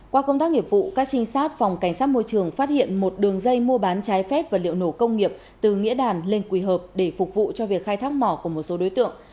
qua công tác nghiệp vụ các trinh sát phòng cảnh sát môi trường phát hiện một đường dây mua bán trái phép vật liệu nổ công nghiệp từ nghĩa đàn lên quỳ hợp để phục vụ cho việc khai thác mỏ của một số đối tượng